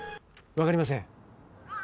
分かりません。